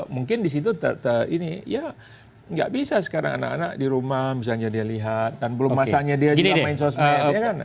mungkin di situ ini ya nggak bisa sekarang anak anak di rumah misalnya dia lihat dan belum masanya dia juga main sosmed